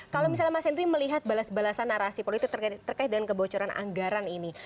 kalau misalnya mas henry melihat balas balasan narasi politik terkait dengan kebocoran anggaran ini